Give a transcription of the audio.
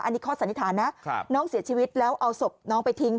อันนี้ข้อสันนิษฐานนะน้องเสียชีวิตแล้วเอาศพน้องไปทิ้ง